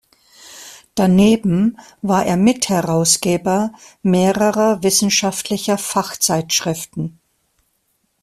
Daneben war er Mitherausgeber mehrerer wissenschaftlicher Fachzeitschriften.